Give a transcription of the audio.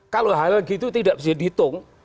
kalau hal gitu tidak bisa dihitung